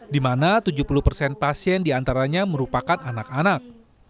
di mana tujuh puluh persen pasien diantaranya merupakan anak anak